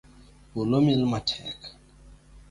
Polo mil matek.